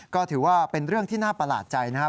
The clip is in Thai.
ก็ถือว่าเป็นเรื่องที่น่าประหลาดใจนะครับ